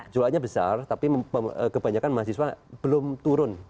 jualannya besar tapi kebanyakan mahasiswa belum turun